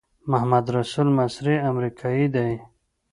محمدرسول مصری امریکایی دی.